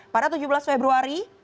pada tujuh belas februari